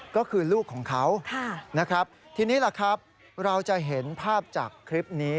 ก็คือลูกของเขานะครับทีนี้ล่ะครับเราจะเห็นภาพจากคลิปนี้